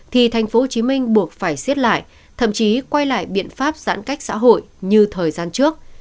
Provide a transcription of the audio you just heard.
thì tp hcm buộc phải xiết lại thậm chí quay lại biện pháp giãn cách xã hội như thời gian trước